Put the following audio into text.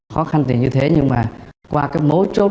khó khăn thì như thế nhưng mà qua cái mấu chốt